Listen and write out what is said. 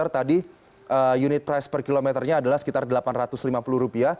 tadi unit price per kilometernya adalah sekitar rp delapan ratus lima puluh